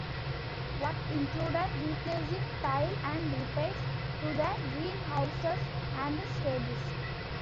Work included replacing tile and repairs to the greenhouses and stables.